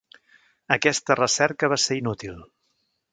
Aquesta recerca va ser inútil.